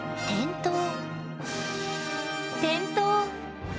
点灯。